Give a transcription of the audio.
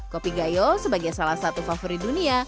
kopi gayo sebagai salah satu favorit dunia